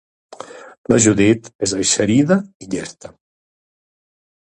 La Judit és eixerida i llesta.